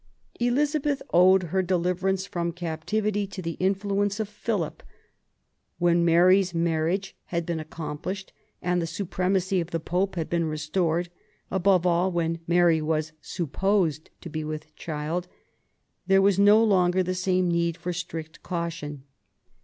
Elizabeth owed her deliverance from captivity to the influence of Philip. When Mary's marriage had been accomplished, and the supremacy of the Pope had been restored, above all, when Mary was supposed to be with child, there was no longer the same need for strict caution.